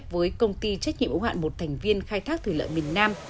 với công ty trách nhiệm ủng hạn một thành viên khai thác thủy lợi miền nam